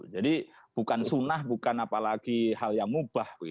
jadi bukan sunah bukan apalagi hal yang mubah